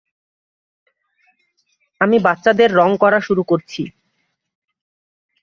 আমি বাচ্চাদের রং করা শুরু করছি।